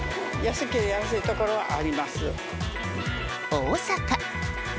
大阪。